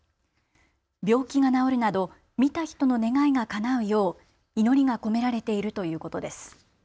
病気が治るなど見た人の願いがかなうよう祈りが込められているということです。